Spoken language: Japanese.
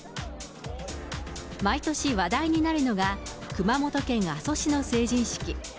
毎年、話題になるのが、熊本県阿蘇市の成人式。